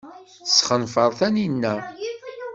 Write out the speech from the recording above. Tesxenfer Taninna.